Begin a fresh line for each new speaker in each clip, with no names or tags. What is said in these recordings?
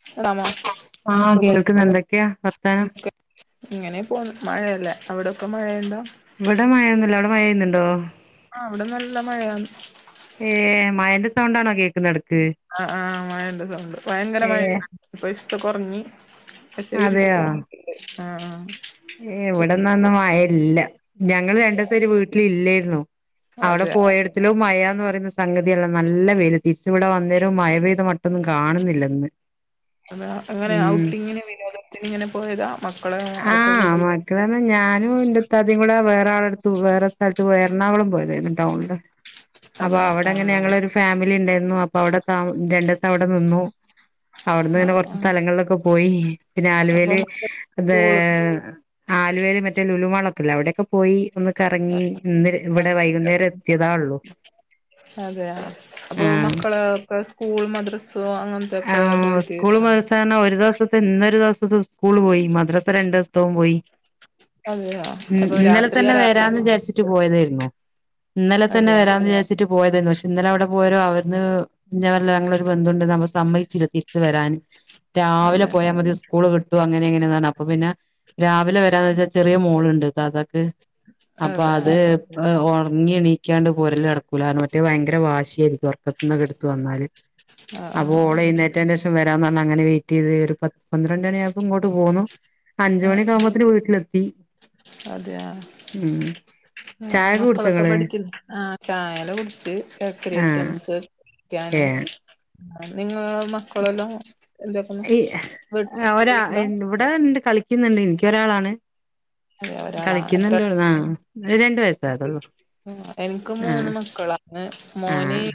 [unintelligible]
ആഹ്
സുഖം
കേൾക്ക്ന്ന്ണ്ട് എന്തക്കെയാ വർത്താനം?
ഇങ്ങനെ പോണ്. മഴയല്ലേ അവിടൊക്കെ മഴയുണ്ടോ?
ഇവടെ മഴെന്നുല്ല, അവ്ടെ മഴയ്ന്നുണ്ടോ?
ആ അവിടെ നല്ല മഴയാണ്.
ഏയ് മയന്റെ സൗണ്ടാണോ കേക്കുന്നെയിടക്ക്‌
ആഹ് ആഹ് മഴടെ സൗണ്ട് ഭയങ്കര മഴയുണ്ട് ഇപ്പൊ ഇച്ചിരി കൊറഞ് പക്ഷെ ഇരുട്ട് [unintelligible] ആഹ് ആഹ്
ഏയ് ഇവിടെ എന്നാ ഇന്ന് മയയില്ല ഞങ്ങള് രണ്ടു ദിവസമായിട്ട് വീട്ടില് ഇല്ലെയിരുന്നു.
അതെ
ത്തിലോ മഴ എന്ന് പറയുന്ന സംഗതിയല്ല നല്ല വെയില് തിരിച്ചുയിവെടെ വന്നേരവും മയ പെയ്ത മട്ടൊന്നും കാണുന്നില്ലന്ന് ഉ
അ അങ്ങനെ ഔട്ടിങ്ങിന് വിനോദത്തിന് ഇങ്ങനെ പോയതാ മക്കളെയൊക്കെ കൂട്ടി
ണം ഞാനും എന്റെ ഇത്താത്തതും കൂടെ വേറെ ആളടുത്ത് വേറെ സ്ഥലത്ത് എറണാകുളം പോയി [unintelligible] ടൗവുണില് അപ്പോ
അതാ
അവിടെ
ആഹ്
ഞഞങ്ങൾള് - ഫാമിലി ഇണ്ടായിരുന്നു അപ്പൊ അവിടെ രണ്ടു ദെവസം അവിടെ നിന്നു അവിടുന്ന് ഇങ്ങനെ കൊറച്ച്
ആഹ്
സ്ഥലങ്ങളിലൊക്കെ പോയി പിന്നെ
അപ്പൊ
ആലുവെല്
സ്കൂള്
- ആലുവേല് മറ്റേ ലുലുമാളൊക്കല്ല അവിടെയൊക്കെ പോയി ഒന്ന് - കറങ്ങി ഇന്ന് ഇവിടെ വൈകുന്നേരം എത്തിയതാ ഉള്ളൂ
അതെയൊ അപ്പൊ
ആഹ്
മക്കള് ഒക്കെ സ്കൂൾ മദ്ര- സുഖമാണോ അങ്ങനത്തെക്കെ പോയിട്ട്
കാരണം ഒരു ദെവസത്തെ - ഇന്നൊരു ദെവസത്തെ സ്കൂൾ പോയി മദ്രാസ രണ്ടു ദെവസത്തവും പോയി
അതെയോ
ഉം
അപ്പൊ
ഇന്നലെ
രാത്രിയാ
തന്നെ
രാ
വരാന്ന് വിചാരിച്ചിട്ട് പോയതായിരുന്നു ഇന്നലെ തന്നെ
അതെയ
വരാന്ന് വിചാരിച്ച- ട്ട് പോയതായിരുന്നു പക്ഷെ ഇന്നലെ അവിടെ പോയൊരു അവർല്ല [unintelligible] നമ്മ സമ്മയിച്ചില്ല തിരിച്ച് വരാൻ രാവിലെ
അതെ
പോയാ മതി- സ്കൂള് വിട്ടും അങ്ങനെ എങ്ങനൊണ് അപ്പൊ പിന്നെ രാവിലെ വരാന്ന് വെച്ചാൽ ചെറിയ മോളുണ്ട് അ അതൊ- അപ്പൊ
അതെ
അത് ഉറങ്ങിണീക്കാണ്ട് പോറല് നടക്കൂലാന്ന് മറ്റേ ഭയങ്കര വാശി ഒറക്കത്തിന്ന് ഒക്കെ എടുത്തു വന്നാല്
ആ ആ
അപ്പോ ഓല് എഴുന്നേന്റെ - വരാന്ന് പറഞ് അങ്ങനെ വെയിറ്റ് ചെയ്ത് ഒരു പന്ത്രണ്ട് മണിയായപ്പോ ഇങ്ങോട്ട് പോന്നു അഞ്ച് മണി ആകുമ്പത്തെന് - ച്ചു വീട്ടിലെത്തി
അതെയാ
ഉം
ആ
ചായൊക്കെ കുടിച്ചോ
മക്കളൊക്കെ
ഇങ്ങള്
പഠിക്കുന്നു ആ ചായല കുടിച്ച് ബേക്കറി
ആഹ്
ഐറ്റംസ്- ക്കുവാണേ
ഏഹ്
നിങ്ങള് - മക്കളല്ലാം എന്തൊക്ക വ [unintelligible] ട്ടല്ലാം
ഇവി ഒണ്ട് കളിക്കുന്നുണ്ട് എനിക്ക് ഒരാളാണ്
അതെ ഒരാളാ എത്ര
രണ്ട് വയസ്സേ ആയതൊള്ളൂ
എനിക്ക്
ആ
മൂന്ന് മക്കളാ
ആ
മോന് -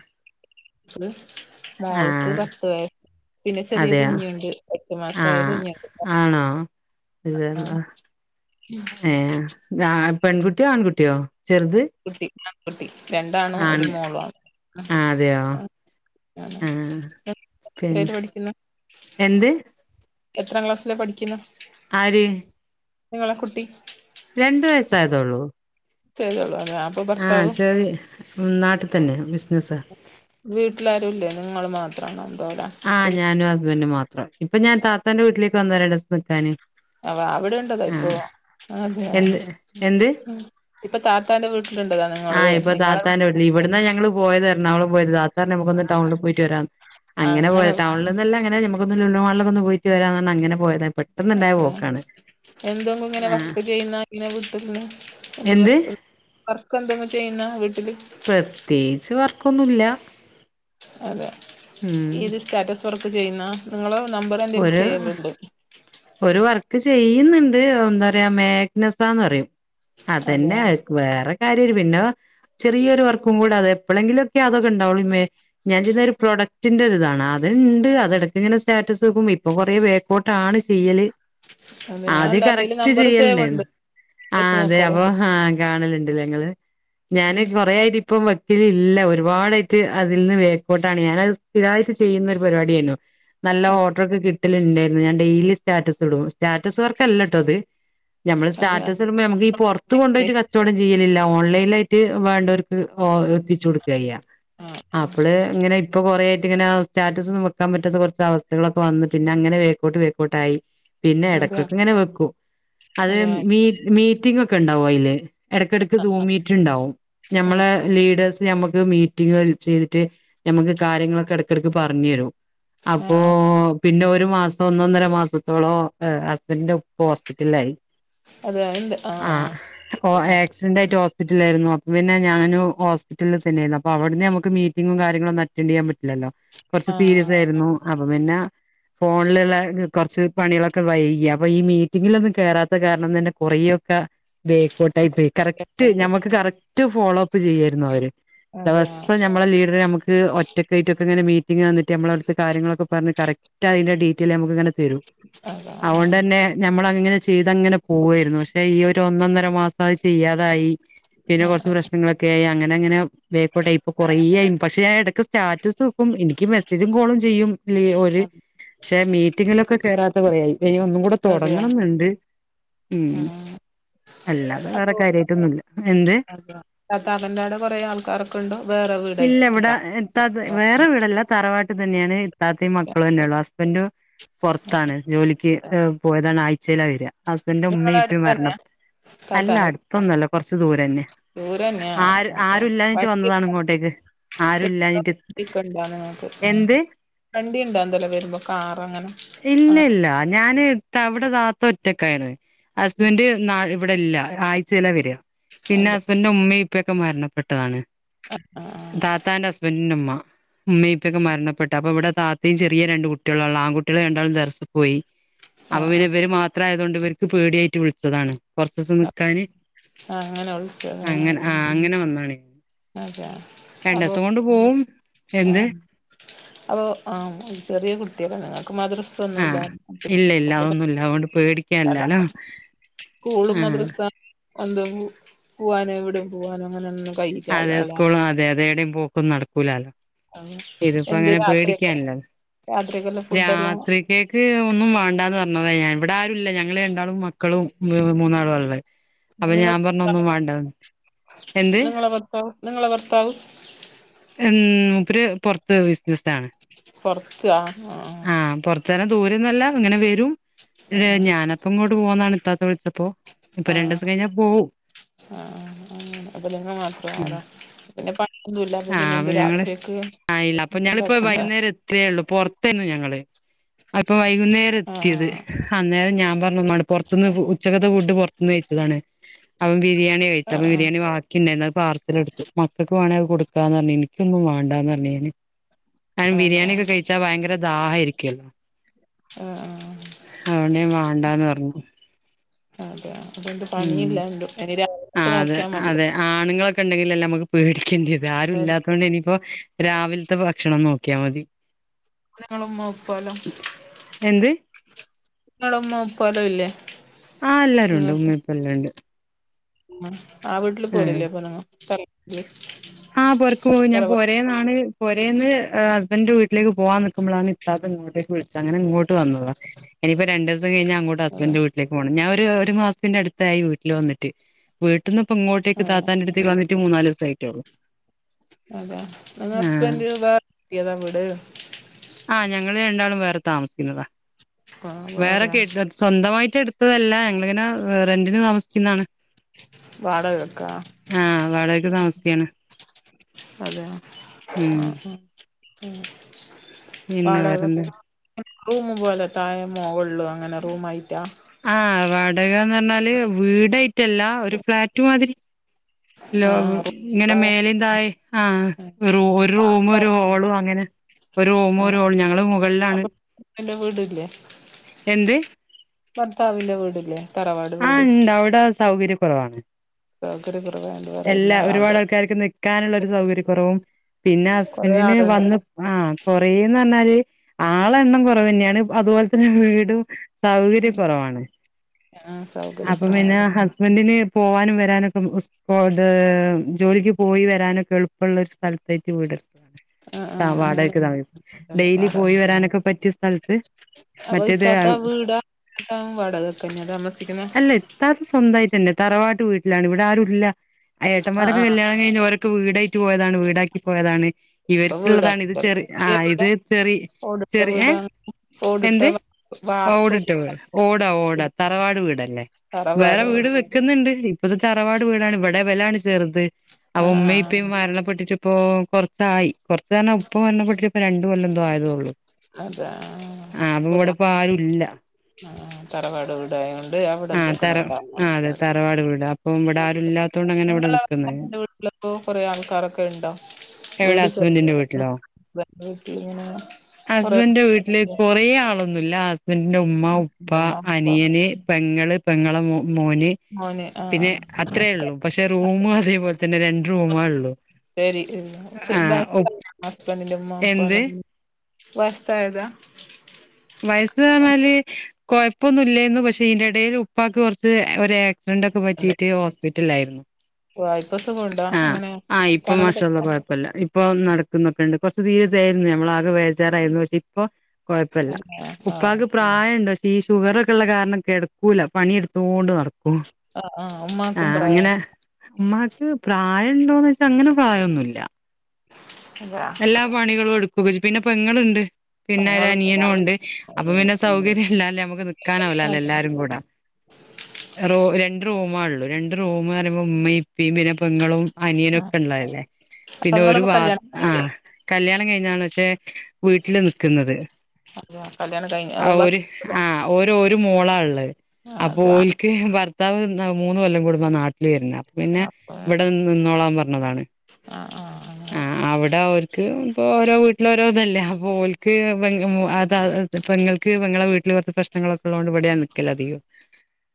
ആ
മോൾക്ക് പത്ത് വയസ് പിന്നെ ചെറിയ
അതെയോ
കുഞ്ഞുണ്ട് എട്ടു മാസായ കുഞ്ഞുണ്ട് ആ
ഇതല്ല ഏ പെൺകുട്ടിയോ ആൺകുട്ടിയോ ചെറുത്-
പെൺകുട്ടി രണ്ടാണും
ആൺ
ഒരു മോളും ആ ആ [unintelligible] ണ
ആ
എത്രയില്
പിന്നെ
പഠിക്കുന്നു
എന്ത്
എത്രാം ക്ലാസ്സിലാ പഠിക്കുന്നെ
ആര്
നിങ്ങളെ കുട്ടി
രണ്ടു വയസ്സായതോള്ളൂ
തുള്ള [unintelligible]
ആഹ് ചെരി നാട്ടിൽ തന്നെ ബിസിനസ്സാ
വീട്ടിലാരുയില്ലേ നിങ്ങള് മാത്രമാണോ എന്തോ [unintelligible] ട
ആഹ് ഞാനും ഹസ്ബൻഡും മാത്രം ഇപ്പൊ ഞാൻ താത്താന്റെ വീട്ടിലേക്ക് വന്നതാ രണ്ട് ദെവസം നിക്കാന്
അവ അവിടെയുണ്ടത
ആ
ഇപ്പൊ അതെയൊ
എന്ത് എന്ത്
ഇപ്പൊ താത്താന്റെ വീട്ടിലുണ്ടതാ നിങ്ങള്
ആഹ് ഇപ്പൊ
നിങ്ങളെ വി -
താത്താന്റെ ഇവിടുന്നാ ഞങ്ങള് പോയത് എറണാകുളം പോയത് താത്താ പറഞ്ഞു നമുക്കൊന്ന് ടൗണിൽ പോയിട്ട് വരാന്ന് അങ്ങനെ പോയതാ ടൗണിൽ- ല്ല അങ്ങനെ നമുക്കൊന്ന് ലുലു മാളിൽ കേ പോയിട്ട് വരാന്നാണ് അങ്ങനെ പോയത് പെട്ടന്നുണ്ടായ പോക്കാണ്
എന്തെും ഇങ്ങനെ
ആഹ്
വർക്ക് ചെയ്യുന്ന ഇങ്ങനെ വിട്ടന്ന് എന്ത് വർക്ക് വർക്ക എന്തെങ്കിലും ചെയ്യുന്ന വീട്ടില്
പ്രത്യേകിച്ച് വർക്കൊന്നുമല്ല
അതെ ഈത് സ്റ്റാറ്റസ് വർക്ക് ചെയ്യുന്ന നിങ്ങള നമ്പർ എന്തെിലും
ഒരു
സേവ് ഉണ്ട്
ഒരു വർക്ക് ചെയ്യുന്നുണ്ട് എന്താ പറയാ മേഘനസന്ന് പറയും..... അതന്നെ
അതെയ
വേറെ കാര്യ പിന്നോ ചെറിയൊരു വർക്കും കൂടെ അതെ ഇപ്പോളെങ്കിലും ഓകെ അതൊക്കെ ഉണ്ടാവുളു ഈ മേ ഞാൻ ചെയ്യുന്ന ഒരു പ്രോഡക്ടിന്റെരിതാണ് അത്ണ്ട് അതടക്ക ഇങ്ങനെ സ്റ്റാറ്റസ് ഇപ്പൊ കൊറേ വേക്കോട്ട ആണ് ചെയ്യല്....
അതെ ഞാൻ
ആദ്യ
അല്ല എന്റെല്
കറക്റ്റ്
നമ്പർ സേവ്
ചെയ്യലുണ്ടായിരുന്നു
ഉണ്ട്
അഹ്
സ്റ്റാറ്റസ്
അതെ അപ്പൊ
നോക്കാറുണ്ട്
അഹ് കാണലുണ്ട് ഞങ്ങള് ഞാന് കൊറ ആയിട്ട ഇപ്പ ഇല്ല ഒരുപാടായിട്ട് അതിൽ നിന്ന് വേക്കോട്ടാണ് ഞാനത് സ്ഥിരയിട്ട് ചെയ്യുന്ന ഒരു പരിപാടിയന്നു നല്ല
ആ
ഓർഡർ ഒക്കെ കിട്ടലുണ്ടായിരുന്നു ഞാൻ ഡെയിലി സ്റ്റാറ്റസ് ഇടും സ്റ്റാറ്റസ് വർക്കല്ലട്ടോ അത് നമ്മള്
അതെ
സ്റ്റാറ്റസ്.... [unintelligible] നമുക്ക് പുറത്ത കൊണ്ടപോയിട്ട് കച്ചവടം ചെയ്യലില്ല ഓൺലൈന ആായിട്ട് വേണ്ടവർക്ക് എത്തിച്ച കൊടുക്കു [unintelligible]
ആ ആ
അപ്പള് ഇങ്ങനെ ഇപ്പൊ കൊറേ ആായിട്ട് ഇങ്ങനെ സ്റ്റാറ്റസ് ഒന്നും പറ്റാത്ത കുറ അവസ്ഥകളൊക്കെ. വന്ന് പിന്നെ അങ്ങനെ വേക്കോട്ട് വേക്കോട്ടായി പിന്നെ
അതെ
ഇടക്കൊക്കെ ഇങ്ങനെ വെക്കും അത്
അതെ
മി മീറ്റിംഗ ഒക്കെ ഉണ്ടാവും അതില് ഇടയ്ക്കിടക്ക് സൂ മീറ്റ് ഉണ്ടാവും
ആ
ഞമ്മളെ
ആ
ലീഡേഴ്സ് ഞമ്മക്ക് മീറ്റിംഗ ചെയ്തിട്ട് നമുക്ക് കാര്യങ്ങളൊക്കെ ഇടക്കിടക്ക് പറഞ്ഞു തരും
ആ
അപ്പോ പിന്നെ ഒരു മാസം ഒന്നൊന്നര മാസത്തോളംഹസ്ബൻഡറിന്റെ ഉപ്പ ഹോസ്പിറ്റലായി
അതെ ഉണ്ട് ആ
ആഹ്
ആ
ആക്സിഡന്റ് ആയിട്ട്.... ഹോസ്പറ്റലിലായിരുന്നു അപ്പ പിന്ന ഞാനൊ ഒരു ഹോസ്പിറ്റലിൽന്നെയായി അവിടുന്ന് നമക്ക് മീറ്റിങ്ങും കാര്യങ്ങളു ഒന്നും റ്റ ചെയ്യാൻ പറ്റില്ലല്ലോ കൊറച്ച്
ആ ആ
സീരിയസ് ആയിരുന്നു അപ്പൊ പിന്നെ ഫോണിലുള്ള കുറച്ച് പണികളൊക്കെ വൈക അപ്പൊ ഈ മീറ്റിങ്ങിലൊന്നും കേയറാത്ത കാരണം തന്നെ കുറൊക്കെ... ബേക്കോട്ടായി പോയി കറക്റ്റ്
ആയിക്കോട്ടെ
ഞമ്മക്ക് കറക്റ്റ് ഫോളോ അപ്പ് ചെയ്യായിരുന്നു അവര്....
അതെ ആ
ദിവസം നമ്മെ ലീഡറെ നമുക്ക് ഓ ഒറ്റക്ക ആയിട്ട് ഇങ്ങെ മീറ്റിങ് ന്നിട്ട് നമ്മള അടുത്തെ കാര്ങ്ങളൊക്കെ പറ കറക്റ്റ് അതിന്റെ ഡീറ്റയിൽ നമുക്കങ്ങ തരും
അതെ ആ
അതുകൊണ്ട തന്നെ നമ്മള അങ്ങനെ ചെയ്ത്ങ്ങനെ പോവായിരുന്നു പക്ഷെ ഈ ഒരു ഒന്നൊന്നര മാസം ചെയ്യാതായി.... [unintelligible]
ആ ആ
കെറച്ച്പ്രശ്ന ക്കെ അങ്ങനെ അങ്ങനെ വേക്കോട്ട ഇപ്പൊ കൊറേ ആയും പക്ഷെ ഇടക്ക് സ്റ്റാറ്റസ്ക്കും എനിക്ക്.... [unintelligible] കോളും ചെയ്യുംല്ല ഒരു
അ
പക്ഷെ മീറ്റിങ്ങിലൊക്കെ കേയറാത്ത കുറെ ആയ് ക്ഷേ ഒന്നും കൂടെ
അതെയ
തുടങ്ങണംന്നുണ്ട്
ആ
ഉം അല്ല അത വേറെ കാര്യമായിട്ടൊന്നുല്ല
[unintelligible] കൊറെ ആൾക്കാരൊക്കെ ഉണ്ടോ വേറെ വീടാക്കി [unintelligible]
ത് വേറെ വീടെല്ല തറവാട്ട് തന്നെയാണ് ഇത്താത്തയും മക്ക മക്കള തന്നെയള്ളൂ ഹസ്ബൻഡ് പുറത്താണ് ജോലിക്ക് പോയതാണ് ആഴ്ചയില വരിക ഹസ്ബൻന്റെ
നിങ്ങളെ
ഉമ്മയും ഇപ്പ
അടുത്ത്
മരണം
തന്നെ
അല്ല
താത്താന്റെ വീട്
അടുത്തൊന്നല്ല കൊറച്ച് ദൂരെ ന്നെ
ദൂരന്നെയാ
ആര്
ആയിക്കോട്ടെ
ആരുല്ലാഞ്ഞിട്ട്
വണ്ടി
വന്നതാണ് ഇങ്ങോട്ടേക്ക് ആര ഇല്ലഞ്ഞിട്ട് എന്ത്
വണ്ടി ണ്ടാ [unintelligible] വരുമ്പോ കാർ അങ്ങനെ
ഇല്ല
അങ്ങനെ
ഇല്ല ഞാന് അവിടെ താത്ത ഒറ്റക്കായിരുന്നു ഹസ്ബൻഡറ് ഇവിടെ ഇല്ല ആഴ്ചില വരിക പിന്നെ
അതെ
ഹസ്ബൻഡ ഉമ്മയും ഇപ്പൊക്കെ മരണപ്പെട്ടു
ആ
താത്താന്റെ ഹസ്ബൻറിന്റെ ഉമ്മ ഉമ്മ ഇപ്പൊക്കെ മരണപ്പെട്ട..... അപ്പൊ ഇവിടെ താത്തം ചെറിയ രണ്ടു കുട്ടികളാല്ലോ ആൺകട്ടികൾ കണ്ടാലും ദർസ പോയി
ആ
അപ്പൊ
ആ ആ
പിന്നെവര് മാ ത്ര ആയത കൊണ്ട് ഇവർക്ക് പേടിയായിട്ട് വിളിച്ചതാണ് കുറച്ച ദിവസം
ആ
നക്കാന്
ആ അങ്ങനെ വിളിച്ചതാ
അങ്ങനെ ആഹ് അങ്ങനെ വന്നാണേ.....
അത അപ്പോ
പോവും എന്ത്
ആഹ്. അപ്പൊ ആഹ ചെറിയ കുട്ടിയളാ ങ്ങക്ക് മാതൃ
ആഹ് ഇല്ല ഇല്ല അതൊന്നുല്ല അതുകൊണ്ട് പേടിക്കാൻല്ലാലോ.
കൂളും മദൃസ എന്ത് പു പോവാനോ എവിടെയും പോവാനോ അങ്ങനെ ഒന്നും കൈ.
അതെ സ്കൂളും അതെ അതേടിം പോക്കും നടക്കൂലാല് ഇതിപ്പോ
എന്ത്
അങ്ങനെ
രാത്രിയൊക്കെ
പേടിക്കാൻല്ലല്ലോ
രാത്രിയൊക്കെല്ല ഫുഡെല്ലാം
രാത്രി കേക്ക് ഒന്നും വേണ്ടാന്ന് പറഞ്ഞത ഞാൻ വടാര് രുല്ല ഞങ്ങള് രണ്ടാളും മക്കളും മൂന്നാളുആള്ളത് അപ
നിങ്ങള
ഞാൻ പർഞ്ഞൊന്നും വേണ്ടാന്ന് എന്ത്
ഭർത്താവും നിങ്ങളെ ഭർത്താവും
ഉം മൂപ്പര് പൊർത്ത് ബിസിനസ്സാണ്
പൊറത്ത് ആഹ് ആഹ്
അത്തരം ദൂരൊന്നല്ല ഇങ്ങനെ വരും
ആ ആ
ത്ഞാനപ്പൊ ഇങ്ങോട്ട് പോന്നാണ് ഇത്താത്ത വിളിച്ചപ്പോ ഇപ്പൊ
ആഹ്
രണ്ടീസം കഴിഞ്ഞാ പോവും
ആഹ് അതില [unintelligible] മാത്രടോ പിന്നെ പണിയൊന്നുല്ല
ആഹ്
പിന്നെ
അപ്പൊ
എന്ത്
ഞങ്ങള്
രാത്രിക്ക്
ആ ഇല്ല അപ്പൊ ഞങ്ങളിപ്പോ
ഉണ്ടാക്കണ്ട
വൈകുന്നേരം എത്തിയേള്ളൂ പൊർത്തേന്നു ഞങ്ങള് ആഹ് ഇപ്പൊ വൈകുന്നേരത്തിയത്
ആഹ്
അന്നേരം ഞാൻ പർഞ്ഞു മ്മാനോട് പൊർത്തുന്ന് ഉച്ചകത്തെ ഫുഡ് പൊർത്തുന്ന് കയ്ച്ചതാണ്. അപ്പൊ ബിരിയാ ണിയാ കഴിച്ചേ അപ്പൊ
ആഹ്
ബിരിയാണി ബാക്കിണ്ടേയ്ന് അത് പാർസൽ ഇട്ത്തു മക്കക്ക് വേണേ അത് കൊടു - ക്കാന്നർഞ്. ഇനിക്കൊന്നും വാണ്ടാന്നർഞ് ഞാന്. കാരണം
അതെ
ബിരിയാണി ഒക്കെ കഴിച്ചാ ഭയങ്കര ദാഹായിരിക്കും.
ആഹ്
അതോണ്ട് ഞാൻ വാണ്ടാന്ന് പർഞ്
അതെയ അതെന്ത് പണിയില്ല എ [unintelligible] നിക്ക് നോക്കിയാൽ മതി
ആണുങ്ങളൊക്കെണ്ടെങ്കിലല്ലമ്മക്ക് പേടിക്കേണ്ടിത് ആരും ഇല്ലാത്തതോണ്ട് ഇനി പ്പൊ രാവിൽത്തെ ഭക്ഷണം നോക്ക്യാ മതി
ങ്ങള ഉമ്മ ഉപ്പാലോ
എന്ത്
ങ്ങള ഉമ്മ ഉപ്പാലോ ഇല്ലേ
ആഹ് എല്ലാരുണ്ട് ഉമ്മീം ഉപ്പിം എല്ലാംണ്ട്
ഉം ആ വീട്ടില് പോരല്ലേ അപ്പൊങ്ങ [unintelligible]
ആഹ് പൊരക്ക് പോവും ഞാൻ പോരേന്നാണ് പൊരേന്ന് ഏഹ് ഹസ്ബൻഡന്റെ വീട്ടിലേക്ക് പോവാൻ നിക്കുമ്പളാണ് ഇത്താത്ത ങ്ങട്ടേയ്ക്ക് വിളി ച്ചേ. അങ്ങനെ ഇങ്ങോട്ട് വന്നതാ ഇനിപ്പോ രണ്ട് ദിവസം കഴിഞ്ഞാ അങ്ങോട്ട്
അതെ
ഹസ്ബൻഡ് വീട്ടിലേക്ക് പോണം ഞാൻ ഒരു ഒരു മാസത്തിന്റെ അടുത്ത് ത്തായി വീട്ടില് വന്നിട്ട് വീട്ടീന്ന് പ്പൊ ഇങ്ങോട്ടേക്ക്
അതെ
താത്താന്റെ അടുത്തേക്ക് വന്നിട്ട് മൂന്നാല് ദിവസായിട്ടുള്ളു
അതെ ങ്ങളെ ഹസ്ബൻഡ് [unintelligible] എവിടെ വീട്
ആഹ് ഞങ്ങള് രണ്ടാളും വേറെ താമസിക്കുന്നതാ.
ആഹ്
വേറെ
വേറെയാ
കേട്ട സ്വന്തമായിട്ട് എടുത്തതല്ല ഞങ്ങളിങ്ങനെ റെന്റിന് താമസിക്കുന്നാണ്
വാടകക്കാ
ആഹ് വാടകക്ക് താമസിക്കയാണ്
അതെ
ഉം
ഉം
പിന്നെ വേറെന്താ
വാടകക്കാ റൂമ് പോലെ തായെ മൊകളിലും അങ്ങനെ റൂമായിട്ടാ
ആഹ് വാടകാന്നർഞ്ഞാല് വീടായിട്ടല്ല ഒരു ഫ്ലാറ്റ് മാതിരി ലോ
ആ
ഇങ്ങനെ
ആ
മേലിം തായിം. ആഹ് ഒരു റൂമും ഒരു ഹോളും അങ്ങനെ ഒരു റൂമും ഒരു ഹോളും ഞങ്ങള് മുകൾലാണ്
അപ്പൊ ന്റെ വീടല്ലേ [unintelligible]
എന്ത്‌
ഭർത്താവിന്റെ വീട്ല്ലേ
ആഹ്ണ്ട് അവിടെ സൗകര്യക്കൊറവാണ്
സൗകര്യക്കുറവായോണ്ട്
എല്ലാ
പറയുന്നതാ
ഒരുപാട് ആൾക്കാർക്ക് നിക്കാന്ള്ള ഒരു സൗകര്യ കുറവും പിന്നെ
കൊറേ
ഹസ്ബൻഡിന്
ആളുണ്ട്
വന്ന് ആഹ് കൊറേന്നർഞ്ഞാല് ആളെണ്ണം കൊറവന്യാണ്. അതുപോൽതന്നെ വീടും സൗകര്യ കൊറവാണ്
ഉം.. സ
അപ്പ പിന്നെ ഹസ്ബൻഡിന് പോവാനും വരാനൊക്കെ - പ്പൊ ഇത് ജോലിക്ക് പോയി വരാനൊക്കെ എളുപ്പമുള്ള ഒരു സ്ഥലത്തേക്ക് വീട്
ആ ആ
താ
അങ്ങനെ
വാടകക്ക് താമ ഡെയിലി പോയി
വാടകക്ക്
വരാനൊക്കെ പറ്റിയ സ്ഥലത്ത് മറ്റേത്
[unintelligible] വാടകക്കന്നെ താമസി
അല്ല ഇത്താത്ത സ്വന്തമായിട്ടന്നെ തറവാട്ട് വീട്ടിലാണ് ഇവിടെ ആരുല്ല
ആ
ഏട്ടന്മാരൊക്കെ
ആ
കല്യാണം ഴിഞ്ഞ് ഒരൊക്ക വീടായി വിറ്റു പോയതാണ് വീടാക്കി പോയതാണ്
അപ്പൊ വീടാ
ഇവർക്കുള്ളതാണ് ഇത് ചെറി
വലിയ
ആഹ് ഇത്
വീടാ
ചെറി
ഓടിട്ട
ചെറി
വീട ഓടിട്ട
ആഹ്
വാർപ്പ്
ഓടിട്ട് വീട് ഓടാ ഓടാ തറവാട് വീടല്ലേ വേറെ വീട് വെക്ക് ന്ന്ണ്ട് ഇപ്പത് തറവാട് വീടാണ് ഇവിടെ ഇവലാണ് ചെറുത് ആഹ് ഉമ്മേം ഉപ്പേം മരണപ്പെട്ടിട്ട് ഇപ്പൊ കൊറച്ചായി കൊറച്ച് പറഞ്ഞ ഉപ്പ മരണപ്പെട്ടിട്ട് രണ്ട് കൊല്ലാംന്തോ ആയത്തൊള്ളൂ
അതാ ആഹ് ഇപ്പാ പ
പ്പാ ആരൂല്ല
ആഹ് തറവാട് വീടായൊണ്ട് അവിടെ
ആഹ് തറ
നിക്കുന്നുണ്ടോ
ആ അതെ തറവാട് വീട് അപ്പൊ ഇവിടെ ആരും ഇല്ലാത്തോണ്ട് അങ്ങനെ ഇവിടെ നിക്കുന്നെ
[unintelligible] കൊറെ ആൾക്കാരൊക്കെ ഉണ്ടോ?
എവ്‌ടാ ഹസ്ബന്റിന്റെ വീട്ടിലോ
വീട്ടിലിങ്ങനെ കൊറേ
ഹസ്ബൻന്റെ വീട്ടില് കൊറേ ആള് ന്നുല്ല ഹസ്ബൻന്റിന്റെ ഉമ്മ ഉപ്പ അനിയന് പെങ്ങള് പെങ്ങളാ മോന്
മോന്
പിന്നെ
ആഹ്
അത്രയേ ഉള്ളൂ പക്ഷെ റൂമ് അതേപോലെ തന്നെ രണ്ട് റൂമേ ഉള്ളൂ.
ശെരി
ആഹ് ഉ
[unintelligible] ഹസ്ബന്റിന്റെ ഉമ്മ ഉപ്പ
എന്ത്
എല്ലാം വയസ്സായത
വയസ്സ് പർഞ്ഞാല് കൊഴപ്പൊന്നുംല്ലേന്ന് പക്ഷെ ഇന്റെടേൽ ഉപ്പാക്ക് കുറച്ച് ഒര് സിഡന്റൊക്കെ പറ്റിയിട്ട് ഹോസ്പിറ്റലായിരുന്നു
ഓ ഇപ്പാ സുഖോണ്ടാ അങ്ങനെ [unintelligible]
ടുള്ള കുഴപ്പല്ല ഇപ്പൊ നടക്കുന്നൊക്കെണ്ട് കുറച്ച് സീരിയസായിരുന്നു നമ്മളാകെ ബേജാറായിരുന്നു പക്ഷെ ഇപ്പൊ കൊഴപ്പല്ല
പറ്റുന്നോ ആഹ്
പ്രായം ഉണ്ട് ക്ഷേ ഈ ഷുഗറക്കെള്ള കാരണം കെടക്കൂല പണിയെടുത്തൊണ്ട് നട കും
ആഹ് ആഹ് ഉമ്മാക്കും
ആഹ്
പ്രായം
അങ്ങനെ ഉമ്മാക്ക് പ്രായംണ്ടോന്ന് ചോയിച്ച അങ്ങനെ പ്രയൊന്നുല്ല
അതാ
എല്ലാ പണികളും എടുക്കും പിന്നെ പെങ്ങളുണ്ട് പിന്നെ ഒരു
പെങ്ങള്
അനിയനും ഉണ്ട് അപ്പം പിന്നെ സൗകര്യം ഇല്ലല്ലേ നമ്മുക്ക് നിക്കാനാവൂലല്ല എല്ലാരും കൂടാ റോ രണ്ട് റൂമാ ഉള്ളൂ രണ്ട് റൂമ് പറയുമ്പോ ഉമ്മയും ഉപ്പയും പിന്നെ പെങ്ങളും
ആഹ്
അനിയനോക്കെ ഉള്ളതല്ലേ പിന്നെ ഒരു
പെങ്ങളും
വ
കല്യാണം കഴിഞ്ഞിട്ടേ
ആഹ് കല്ല്യാണം കഴിഞ്ഞാണ് പക്ഷേ വീട്ടില് നിക്ക്ന്നത്
അതാ കല്യാണം കഴിഞ്ഞ്
ആഹ് ഒരു ആഹ് ഒരു ഒരു മോളാള്ളത് അപ്പോ
അത് ആഹ്
ഓൽക്ക് ഭർത്താവ് മൂന്ന് കൊല്ലം കൂടുമ്പ നാട്ടിൽ വരുന്നാ അപ്പ പിന്നെ ഇവിടെ വന്ന് നിന്നോളാൻ പറഞ്ഞതാണ്.
ആഹ് ആഹ് ആഹ്
ആഹ് അവി ഓര്ക് ഇപ്പൊ ഓരോ വീട്ടില് ഓരോ ഇതല്ലേ അപ്പ ഓൽക്ക് [unintelligible] പെങ്ങൾക്ക് പെങ്ങളെ വീട്ടില് പ്രേശ്നങ്ങളൊക്കെള്ളൊണ്ട് ഇവിടെ നിക്കല് അതികം